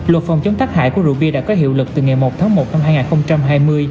luật phòng chống tác hại của rượu bia đã có hiệu lực từ ngày một tháng một năm hai nghìn hai mươi